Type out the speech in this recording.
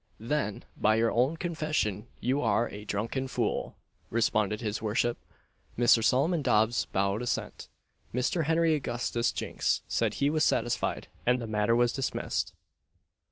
"Then, by your own confession you are a drunken fool," responded his worship. Mr. Solomon Dobbs bowed assent. Mr. Henry Augustus Jinks said he was satisfied, and the matter was dismissed.